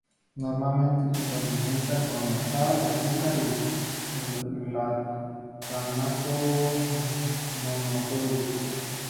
Normalmente se condimenta con sal, azúcar y glutamato monosódico.